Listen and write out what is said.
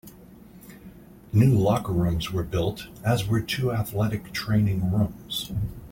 New locker rooms were built as were two athletic training rooms.